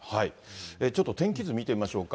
ちょっと天気図見てみましょうか。